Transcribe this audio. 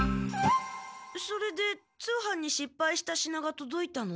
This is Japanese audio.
それで通販にしっぱいした品がとどいたの？